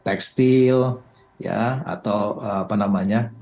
tekstil atau apa namanya